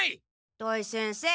土井先生。